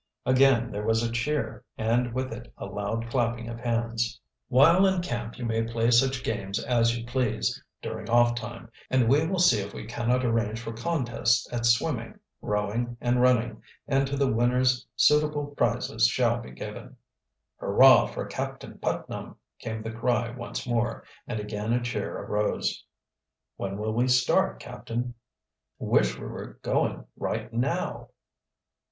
Again there was a cheer and with it a loud clapping of hands. "While in camp you may play such games as you please, during off time, and we will see if we cannot arrange for contests at swimming, rowing, and running, and to the winners suitable prizes shall be given." "Hurrah for Captain Putnam!" came the cry once more, and again a cheer arose. "When will we start, captain?" "Wish we were going right now!"